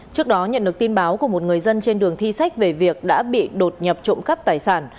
trước đó nhận được tin báo của một người dân trên đường thi sách về việc đã bị đột nhập trộm cắp tài sản